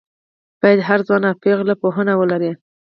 باید هر ځوان او پېغله پوهنه ولري